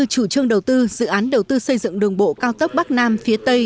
chủ trương đầu tư dự án đầu tư xây dựng đường bộ cao tốc bắc nam phía tây